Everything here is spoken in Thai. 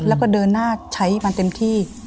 แล้วก็เดินหน้าใช้มันเต็มที่